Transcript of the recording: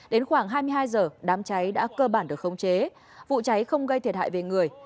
đến khoảng hai mươi hai h đám cháy đã cơ bản được khống chế vụ cháy không gây thiệt hại về người